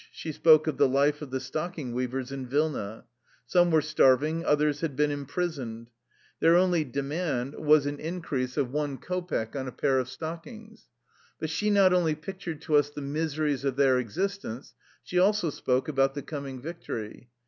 She spoke of the life of the stocking weavers in Vilna. Some were starving, others had been imprisoned. Their only demand was an increase of one ko 27 THE LIFE STOEY OF A RUSSIAN EXILE peck on a pair of stockings. But she not only pictured to us the miseries of their existence, she also spoke about the coming victory.